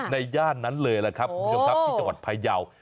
ย่านนั้นเลยล่ะครับคุณผู้ชมครับที่จังหวัดพายาว